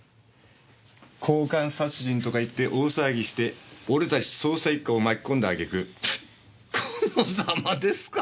交換殺人とか言って大騒ぎして俺たち捜査一課を巻き込んだ揚げ句このザマですか？